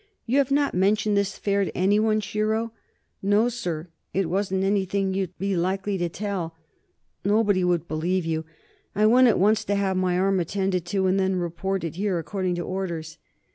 "You have not mentioned this affair to anyone, Shiro?" "No, sir. It wasn't anything you'd be likely to tell: nobody would believe you. I went at once to have my arm attended to, and then reported here according to orders."